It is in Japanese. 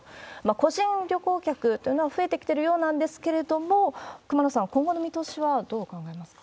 個人旅行客というのは増えてきているようなんですけれども、熊野さん、今後の見通しはどうお考えになりますか？